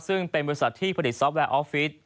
ซึ่งเป็นบริษัทที่ผลิตซอฟตแวร์ออฟฟิศ